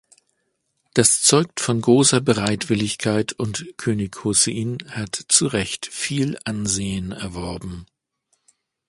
Das zeugt von großer Bereitwilligkeit, und König Hussein hat zu Recht viel Ansehen erworben.